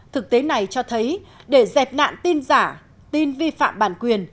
thực tế này cho thấy để dẹp nạn tin giả tin vi phạm bản quyền